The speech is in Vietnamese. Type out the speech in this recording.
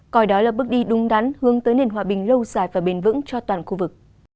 coi đó là bước đi đúng đắn hướng tới nền hòa bình lâu dài và bền vững cho toàn khu vực